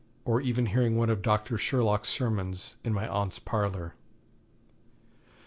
or even hearing one of Dr. Sherlock's sermons in my aunt's parlour.